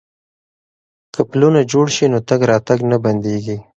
که پلونه جوړ شي نو تګ راتګ نه بندیږي.